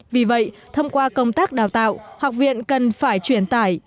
vì vậy thông qua công tác đào tạo học viện cần phải truyền tải